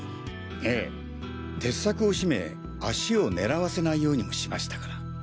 ええ鉄柵を閉め足を狙わせないようにもしましたから。